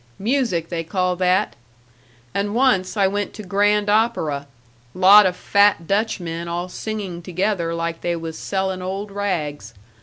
Music they call that! And once I went to grand opera lot of fat Dutchmen all singing together like they was selling old rags.